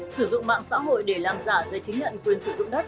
sử dụng mạng xã hội để làm giả giấy chứng nhận quyền sử dụng đất